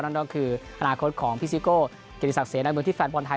นั่นก็คือธนาคตของพี่ซิโก้เกณฑิสักเสนอเมืองที่แฟนฟุตบอลไทย